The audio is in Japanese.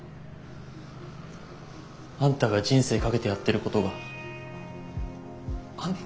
あんたが人生かけてやってることがあんな